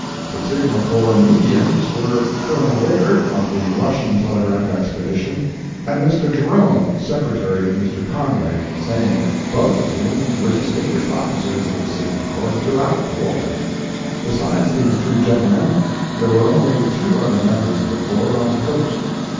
The Signal Corps "mediums" were Colonel Wicker, of the Russian Telegraph Expedition, and Mr. Jerome, Secretary of Mr. Conway of the same, both of whom were distinguished officers of Signal Corps throughout the war. Besides these two gentlemen there are only two other members of the corps on the coast.